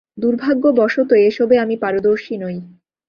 দূর্ভাগ্যবশত এসবে আমি পারদর্শী নই।